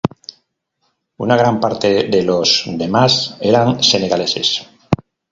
Una gran parte de los demás eran senegaleses.